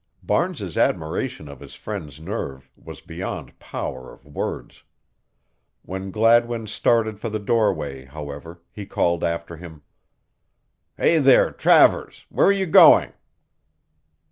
Barnes's admiration of his friend's nerve was beyond power of words. When Gladwin started for the doorway, however, he called after him: "Hey there, Travers, where are you going?"